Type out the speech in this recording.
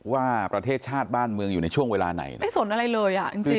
ว่าประเทศชาติบ้านเมืองอยู่ในช่วงเวลาไหนไม่สนอะไรเลยอ่ะจริงจริง